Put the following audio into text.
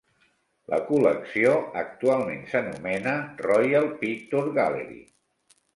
La col·lecció actualment s'anomena Royal Picture Gallery.